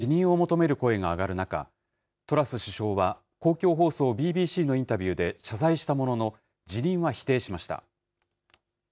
与党・保守党内からも辞任を求める声が上がる中、トラス首相は、公共放送ＢＢＣのインタビューで謝罪したものの、辞任は否定しました。